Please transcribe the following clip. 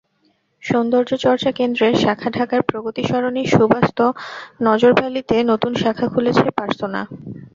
সৌন্দর্যচর্চা কেন্দ্রের শাখাঢাকার প্রগতি সরণির সুবাস্তু নজর ভ্যালিতে নতুন শাখা খুলেছে পারসোনা।